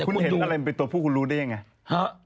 คุณเห็นอะไรมันเป็นตัวผู้คุณรู้ได้ยังไง